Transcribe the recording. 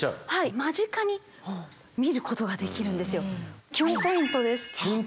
間近に見ることができるんですよ。